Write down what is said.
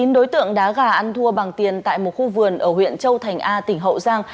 chín đối tượng đá gà ăn thua bằng tiền tại một khu vườn ở huyện châu thành a tỉnh hậu giang